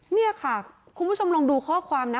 นี่ค่ะคุณผู้ชมลองดูข้อความนะ